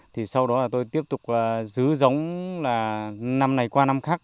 thì sau đó là tôi tiếp tục giữ giống là năm này qua năm khác